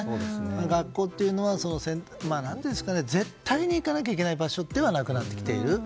学校というのは絶対に行かなきゃいけない場所ではなくなってきている。